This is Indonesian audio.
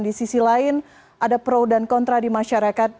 di sisi lain ada pro dan kontra di masyarakat